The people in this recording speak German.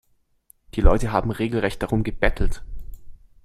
Die Leute haben regelrecht darum gebettelt.